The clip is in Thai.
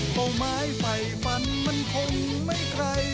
เป้าหมายไฟฟันมันคงไม่ใคร